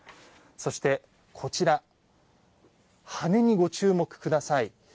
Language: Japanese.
そして、羽にご注目ください。